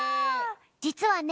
じつはね